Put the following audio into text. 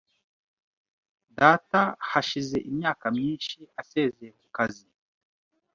Data hashize imyaka myinshi asezeye ku kazi .